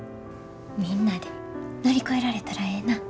みんなで乗り越えられたらええな。